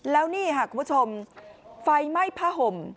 แล้วนี่ค่ะคุณผู้ชมไฟไหม้ผ้าห่ม